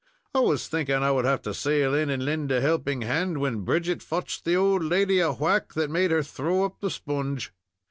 I was thinking I would have to sail in and lend a helping hand, when Bridget fotched the old lady a whack that made her throw up the sponge.